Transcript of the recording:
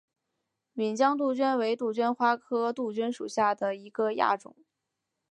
岷江杜鹃为杜鹃花科杜鹃属下的一个亚种。